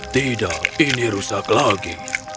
tidak ini rusak lagi